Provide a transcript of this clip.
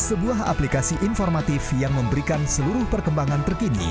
sebuah aplikasi informatif yang memberikan seluruh perkembangan terkini